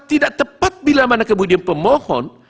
tidak tepat bila mana kemudian pemohon